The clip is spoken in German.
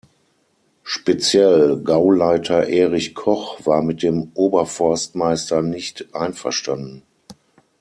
Speziell Gauleiter Erich Koch war mit dem Oberforstmeister nicht einverstanden.